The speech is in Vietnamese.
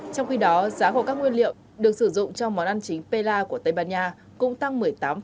trong khi đó giá hồ các nguyên liệu được sử dụng trong món ăn chính pela của tây ban nha cũng tăng một mươi tám